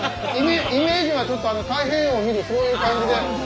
イメージはちょっと太平洋を見るそういう感じで。